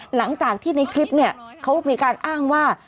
หลังจากที่ในคลิปเนี่ยเขามีการอ้างว่า